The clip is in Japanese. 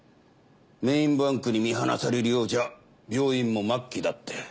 メインバンクに見放されるようじゃ病院も末期だって。